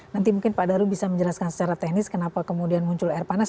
nanti mungkin pak daru bisa menjelaskan secara teknis kenapa kemudian muncul air panas